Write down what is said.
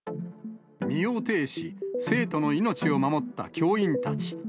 身をていし、生徒の命を守った教員たち。